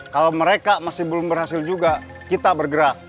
kalau mereka masih belum berhasil juga kita bergerak